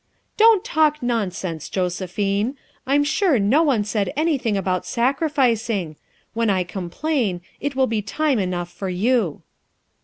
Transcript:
"Don't talk nonsense, Josephine. I'm sure no one said anything about sacrificing; when I complain, it will be time enough for you."